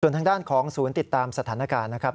ทางด้านของศูนย์ติดตามสถานการณ์นะครับ